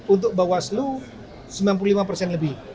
untuk bawaslu sembilan puluh lima persen lebih